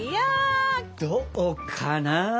どうかな？